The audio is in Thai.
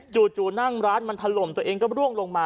นั่งร้านมันถล่มตัวเองก็ร่วงลงมา